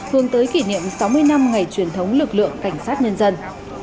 hướng tới kỷ niệm sáu mươi năm ngày truyền thống lực lượng cảnh sát nhân dân